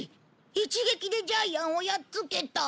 一撃でジャイアンをやっつけた。